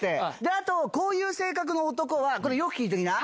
あと、こういう性格の男は、これ、よく聞いときな。